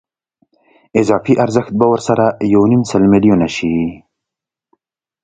اضافي ارزښت به ورسره یو نیم سل میلیونه شي